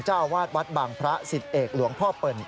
เจ้าอาวาสวัดบางพระสิทธิเอกหลวงพ่อเปิ่น